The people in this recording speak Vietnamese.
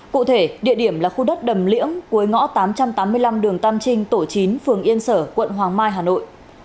cụ thể địa điểm là khu đất đầm liễng cuối ngõ tám trăm tám mươi năm đường tam trinh tổ chín phường yên sở quận hoàng mai hà nội